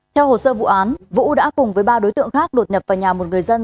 theo hồ sơ vụ án vũ đã cùng với ba đối tượng khác đột nhập vào nhà một người dân